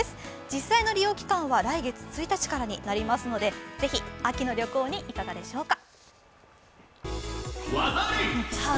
実際の利用期間は、来月１日からになりますのでぜひ秋の旅行にいかがでしょうか。